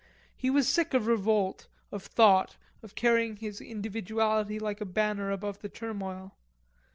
He was sick of revolt, of thought, of carrying his individuality like a banner above the turmoil.